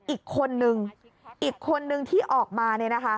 อีกคนนึงอีกคนนึงที่ออกมา